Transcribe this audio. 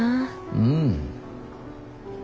うん。